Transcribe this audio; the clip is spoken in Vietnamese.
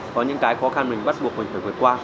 có những cái khó khăn mình bắt buộc mình phải vượt qua